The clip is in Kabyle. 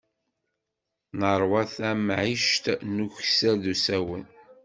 Neṛwa tamɛict n ukessar d usawen.